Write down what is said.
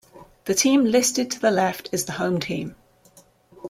The team listed to the left, is the home team.